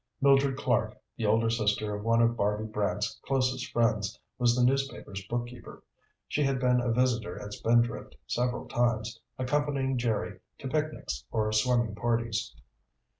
Mildred Clark, the older sister of one of Barby Brant's closest friends, was the newspaper's bookkeeper. She had been a visitor at Spindrift several times, accompanying Jerry to picnics or swimming parties.